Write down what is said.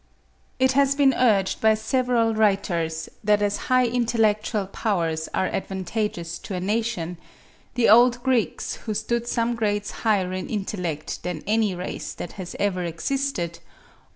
It has been urged by several writers that as high intellectual powers are advantageous to a nation, the old Greeks, who stood some grades higher in intellect than any race that has ever existed (26.